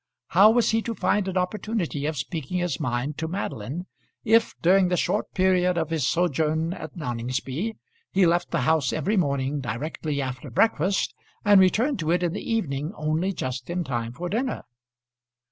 How was he to find an opportunity of speaking his mind to Madeline, if, during the short period of his sojourn at Noningsby, he left the house every morning directly after breakfast, and returned to it in the evening only just in time for dinner?